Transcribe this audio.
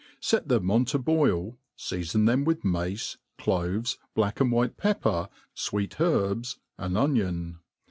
Set them on to boil, feafon them with mace, cloves, black and white pepper, fweet herbs, an onion.